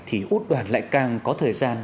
thì út đoàn lại càng có thời gian